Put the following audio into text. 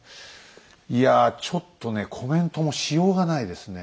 いやちょっとねコメントもしようがないですね。